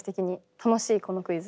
楽しいこのクイズ。